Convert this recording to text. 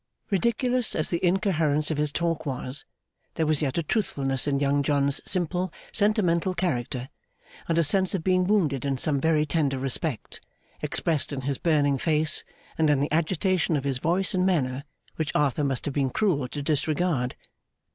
Ridiculous as the incoherence of his talk was, there was yet a truthfulness in Young John's simple, sentimental character, and a sense of being wounded in some very tender respect, expressed in his burning face and in the agitation of his voice and manner, which Arthur must have been cruel to disregard.